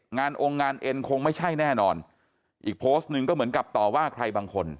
งานองค์งานเอ็นคงไม่ใช่แน่นอนอีกโพสต์หนึ่งก็เหมือนกับต่อว่าใครบางคน